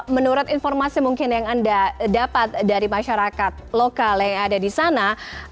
menurut informasi mungkin yang anda dapat dari masyarakat lokal yang ada di sana